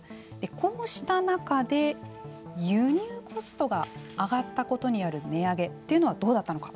こうした中で輸入コストが上がったことによる値上げというのはどうだったのか。